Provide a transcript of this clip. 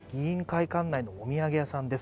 議員会館内のお土産屋さんです。